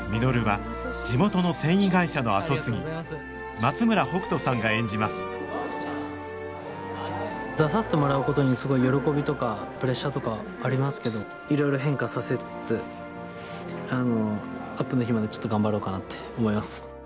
松村北斗さんが演じます出させてもらうことにすごい喜びとかプレッシャーとかありますけどいろいろ変化させつつあのアップの日までちょっと頑張ろうかなって思います。